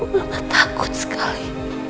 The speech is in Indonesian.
mama takut sekali